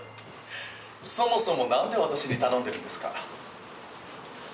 そもそもなんで私に頼んでるんですか？